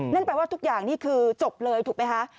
นั่นแปลว่าทุกอย่างนี่คือจบเลยถูกไหมคะ